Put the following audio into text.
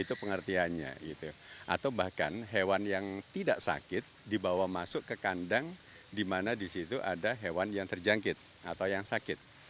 itu pengertiannya gitu atau bahkan hewan yang tidak sakit dibawa masuk ke kandang di mana di situ ada hewan yang terjangkit atau yang sakit